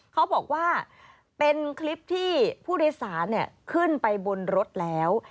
เขาบอกว่าเป็นคลิปที่ผู้โดยสารขึ้นไปบนรถแล้ว